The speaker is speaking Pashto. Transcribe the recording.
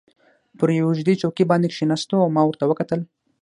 پر یوې اوږدې چوکۍ باندې کښېناستو او ما ورته وکتل.